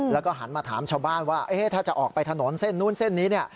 แล้วก็หันมาถามชาวบ้านว่าถ้าจะออกไปถนนเส้นนู้นเส้นนี้เนี่ย